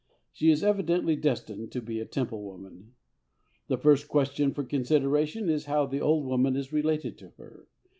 She is evidently destined to be a Temple woman. "The first question for consideration is how the old woman is related to her.